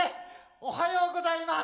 おはようございます。